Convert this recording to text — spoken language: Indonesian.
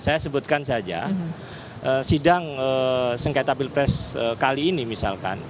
saya sebutkan saja sidang sengketa pilpres kali ini misalkan